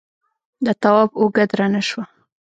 د تواب اوږه درنه شوه.